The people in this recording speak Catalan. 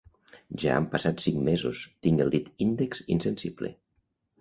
Ja han passat cinc mesos, tinc el dit índex insensible